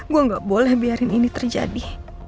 gue gak boleh biarin ini terjadi